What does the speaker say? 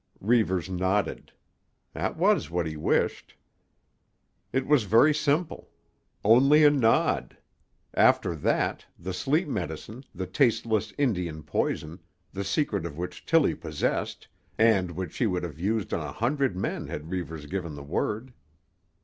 Reivers nodded. That was what he wished. It was very simple. Only a nod. After that—the sleep medicine, the tasteless Indian poison, the secret of which Tillie possessed, and which she would have used on a hundred men had Reivers given the word.